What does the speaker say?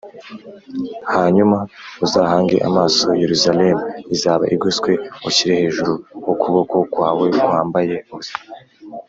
Hanyuma uzahange amaso Yeruzalemu izaba igoswe, ushyire hejuru ukuboko kwawe kwambaye ubusa